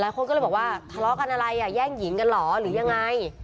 คนก็เลยบอกว่าทะเลาะกันอะไรอ่ะแย่งหญิงกันเหรอหรือยังไง